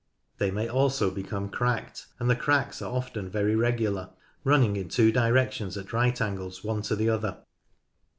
They ma) also become cracked, and the cracks are often very regular, running in two directions at right angles one to the other.